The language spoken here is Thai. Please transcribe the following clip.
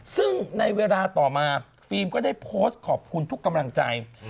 ซึ่งในเวลาต่อมาฟิล์มก็ได้โพสต์ขอบคุณทุกกำลังใจ